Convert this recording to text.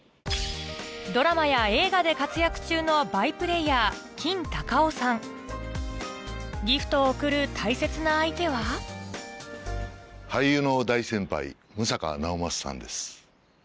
ドラマや映画で活躍中のバイプレーヤーギフトを贈る大切な相手は俳優の大先輩六平直政さんです。